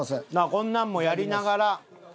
こんなんもやりながら。